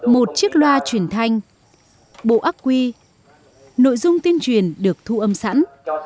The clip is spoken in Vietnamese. một chiếc loa truyền thanh bộ ác quy nội dung tuyên truyền được thu âm sẵn